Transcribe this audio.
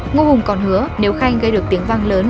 ngô hùng còn hứa nếu khanh gây được tiếng vang lớn